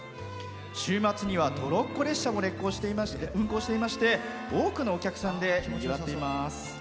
週末にはトロッコ列車も運行していまして多くのお客さんで埋まっています。